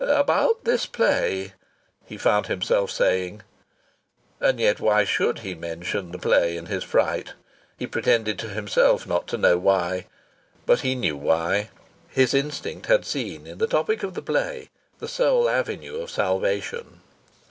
"About this play," he found himself saying. And yet why should he mention the play in his fright? He pretended to himself not to know why. But he knew why. His instinct had seen in the topic of the play the sole avenue of salvation.